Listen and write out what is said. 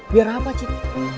biar apa cid